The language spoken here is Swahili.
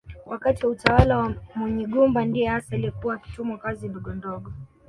Wakati wa utawala wa Munyigumba ndiye hasa aliyekuwa akitumwa kazi ndogondogo